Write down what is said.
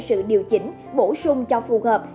sự điều chỉnh bổ sung cho phù hợp